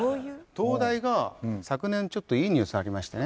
灯台が昨年ちょっといいニュースありましてね。